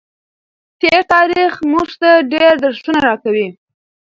تېر تاریخ موږ ته ډېر درسونه راکوي.